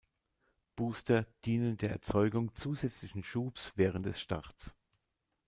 Booster dienen der Erzeugung zusätzlichen Schubs während des Starts.